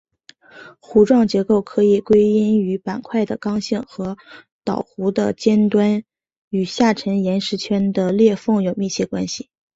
弧状结构可以归因于板块的刚性和岛弧的尖端与下沉岩石圈的裂缝有密切关系。